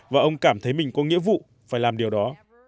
và ông cảm thấy mình có nghĩa vụ phải làm điều đó